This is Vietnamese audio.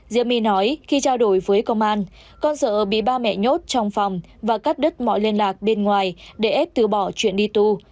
di my nói khi trao đổi với công an con sợ bị ba mẹ nhốt trong phòng và cắt đứt mọi liên lạc bên ngoài để ép từ bỏ chuyện đi tù